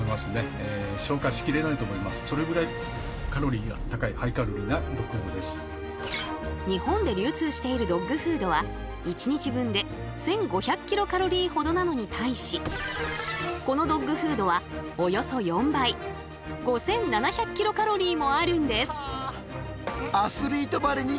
実は極寒世界を生き抜く日本で流通しているドッグフードは一日分で１，５００Ｋｃａｌほどなのに対しこのドッグフードはおよそ４倍５，７００Ｋｃａｌもあるんです。